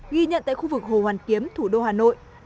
ghi nhận tại khu vực hồ hoàn kiếm thủ đô hà nội